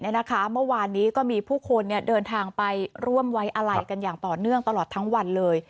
เมื่อวานนี้ก็มีผู้คนเดินทางไปร่วมไว้อะไรกันอย่างต่อเนื่องตลอดทั้งวันเลย